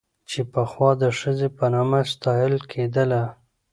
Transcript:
چې پخوا د ښځې په نامه ستايله کېدله